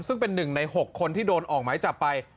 ซึ่งเป็น๑ใน๖คนที่โดนออกหมายจับไป